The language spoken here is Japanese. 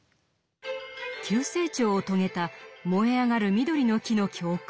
急成長を遂げた「燃えあがる緑の木」の教会。